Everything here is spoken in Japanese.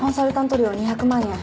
料２００万円